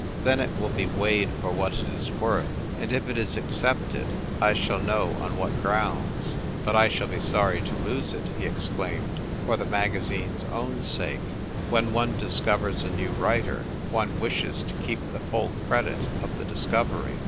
Then it will be weighed for what it is worth, and if it is accepted, I shall know on what grounds." " But I shall be sorry to lose it," he ex claimed ;" for the magazine's own sake. When one discovers a new writer, one wishes to keep the full credit of the dis covery."